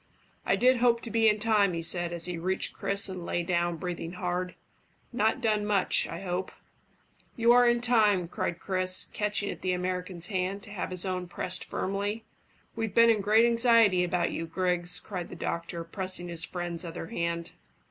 "I did hope to be in time," he said, as he reached Chris and lay down, breathing hard. "Not done much, I hope?" "You are in time," cried Chris, catching at the American's hand, to have his own pressed firmly. "We've been in great anxiety about you, Griggs," cried the doctor, pressing his friend's other hand.